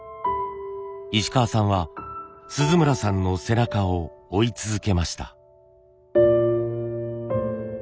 石川さんは鈴村さんの背中を追い続けました。